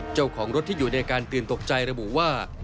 เจ้าของรถที่อยู่ในอาการตื่นตกใจระบุว่า